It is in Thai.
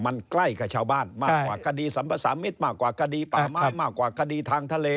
มันใกล้กับชาวบ้านมากกว่าคดีสัมภาษามิตรมากกว่าคดีป่าไม้มากกว่าคดีทางทะเล